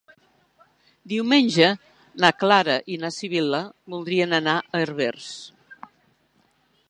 Diumenge na Clara i na Sibil·la voldrien anar a Herbers.